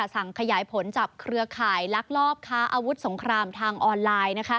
สั่งขยายผลจับเครือข่ายลักลอบค้าอาวุธสงครามทางออนไลน์